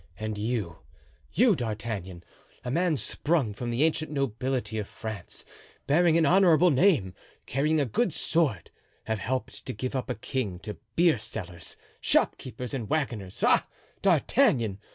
And you, you, D'Artagnan, a man sprung from the ancient nobility of France, bearing an honorable name, carrying a good sword, have helped to give up a king to beersellers, shopkeepers, and wagoners. Ah! D'Artagnan!